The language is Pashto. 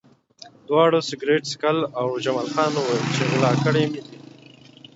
دواړو سګرټ څښل او جمال خان وویل چې غلا کړي مې دي